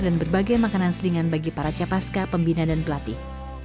dan berbagai makanan selingan bagi para capaska pembina dan pelatih